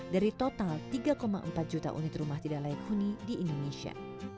dari total tiga empat juta unit rumah tidak layak huni di indonesia